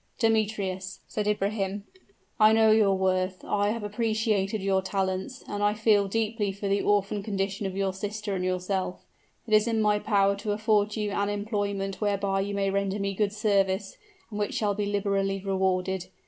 "Demetrius," said Ibrahim, "I know your worth I have appreciated your talents; and I feel deeply for the orphan condition of your sister and yourself. It is in my power to afford you an employment whereby you may render me good service, and which shall be liberally rewarded.